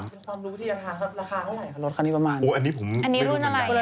ความรู้ที่จะทานราคาเท่าไหร่ของรถคันนี้ประมาณ